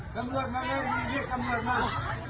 ท่านดูเหตุการณ์ก่อนนะครับท่านดูเหตุการณ์ก่อนนะครับ